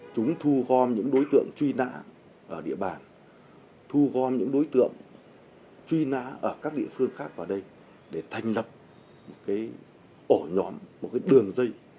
chúng thu gom những đối tượng truy nã ở địa bàn thu gom những đối tượng truy nã ở các địa phương khác vào đây để thành lập một ổ nhóm một đường dây